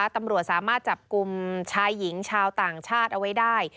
ตำรวจสามารถจับกลุ่มชายหญิงชาวต่างชาติเอาไว้ได้